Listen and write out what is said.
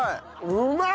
うまい！